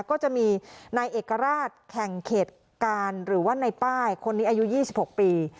ก็จะมีนายเอกราชแข่งเขตการหรือว่าในป้ายคนนี้อายุ๒๖ปี